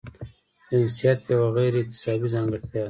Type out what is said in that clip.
جنسیت یوه غیر اکتسابي ځانګړتیا ده.